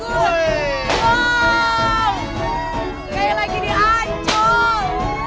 wow kayak lagi di ancol